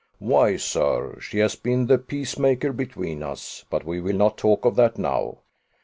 Why, sir, she has been the peacemaker between us but we will not talk of that now.